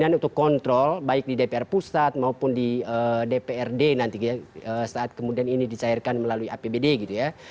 kemudian untuk kontrol baik di dpr pusat maupun di dprd nanti saat kemudian ini dicairkan melalui apbd gitu ya